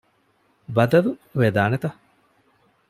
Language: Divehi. ބަދަލު ވެދާނެތަ؟